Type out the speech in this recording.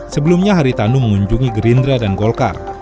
sebelumnya hari tanu mengunjungi gerindra dan golkar